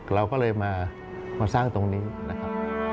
เราก็เลยมาสร้างตรงนี้นะครับ